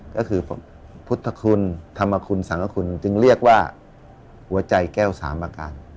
ก็คือพุทธคุณธรรมคุณสังคคุณจึงเรียกว่าหัวใจแก้วสามอาการ